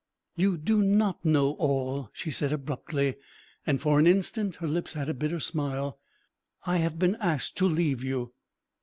"You do not know all," she said abruptly, and for an instant her lips had a bitter smile. "I have been asked to leave you."